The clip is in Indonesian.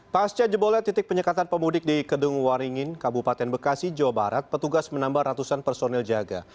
pasca jebolnya titik penyekatan pemudik di kedung waringin kabupaten bekasi jawa barat petugas menambah ratusan personil jaga